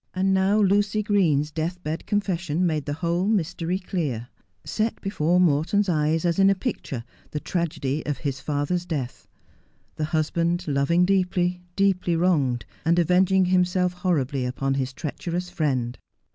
And now Lucy Green's deathbed confession made the whole mystery clear — set before Morton's eyes, as in a picture, the tragedy of his father's death. The husband, loving deeply, deeply wronged, and avenging himself horribly upon his treacherous friend.